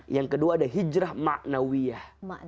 yang kedua ada hijrah maknawiyah